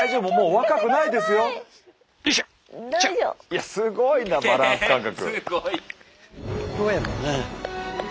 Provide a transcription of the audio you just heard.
いやすごいなバランス感覚！